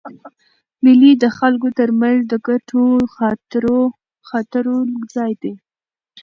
مېلې د خلکو تر منځ د ګډو خاطرو ځای دئ.